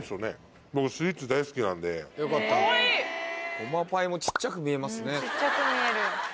ごまパイも小っちゃく見えますね。